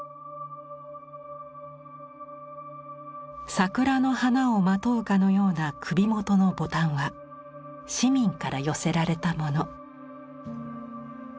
桜の花をまとうかのような首元のボタンは市民から寄せられたもの。